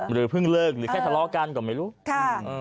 เพิ่งเลิกหรือแค่ทะเลาะกันก็ไม่รู้ค่ะ